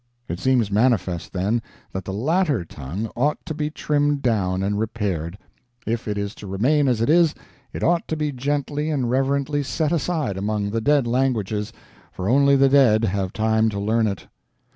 It seems manifest, then, that the latter tongue ought to be trimmed down and repaired. If it is to remain as it is, it ought to be gently and reverently set aside among the dead languages, for only the dead have time to learn it.